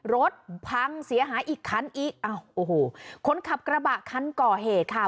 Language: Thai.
รถพังเสียหายอีกคันอีกคนขับกระบะคันก่อเหตุค่ะ